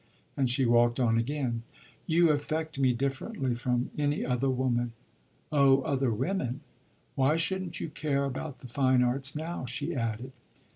And she walked on again. "You affect me differently from any other woman." "Oh other women ! Why shouldn't you care about the fine arts now?" she added.